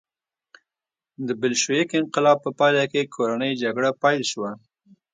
د بلشویک انقلاب په پایله کې کورنۍ جګړه پیل شوه